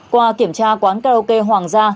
qua kiểm tra quán karaoke hoàng gia